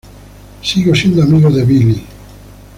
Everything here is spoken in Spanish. Sigo siendo amigo de Billy.